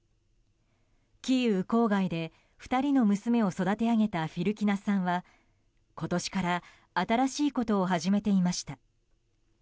キーウ郊外で２人の娘を育て上げたフィルキナさんは今年から新しいことを始めていました。